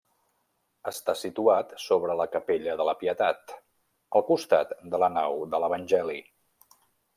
Està situat sobre la Capella de la Pietat, al costat de la nau de l'Evangeli.